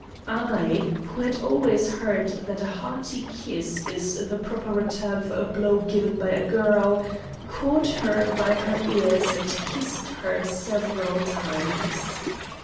I, who had always heard that a hearty kiss is the proper return for a blow given by a girl, caught her by her ears and kissed her several times.